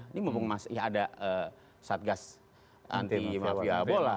ini mumpung masih ada satgas anti mafia bola